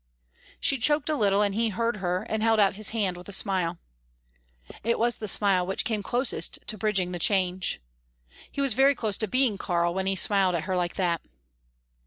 She choked a little, and he heard her, and held out his hand, with a smile. It was the smile which came closest to bridging the change. He was very close to being Karl when he smiled at her like that.